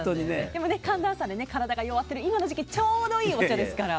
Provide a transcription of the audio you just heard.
でも寒暖差で体が弱っている今の時期ちょうどいいお茶ですから。